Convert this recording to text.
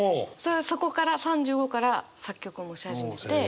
そこから３５から作曲もし始めて。